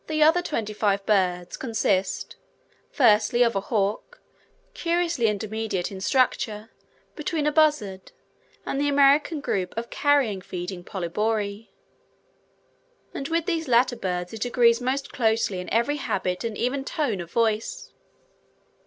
The other twenty five birds consist, firstly, of a hawk, curiously intermediate in structure between a buzzard and the American group of carrion feeding Polybori; and with these latter birds it agrees most closely in every habit and even tone of voice.